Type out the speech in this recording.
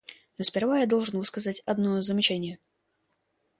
Но сперва я должен высказать одно замечание.